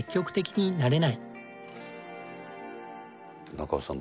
中尾さん